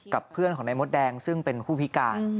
เพื่อนของนายมดแดงซึ่งเป็นผู้พิการ